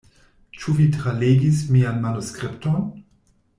Ĉu vi tralegis mian manuskripton?